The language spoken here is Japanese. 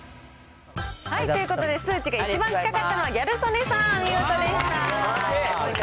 ということで数値が一番近かったのは、ギャル曽根さん、お見事でした。